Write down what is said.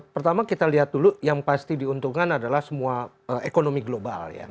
pertama kita lihat dulu yang pasti diuntungkan adalah semua ekonomi global ya